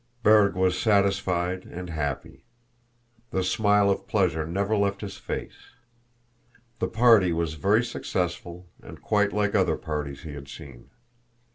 Berg was satisfied and happy. The smile of pleasure never left his face. The party was very successful and quite like other parties he had seen.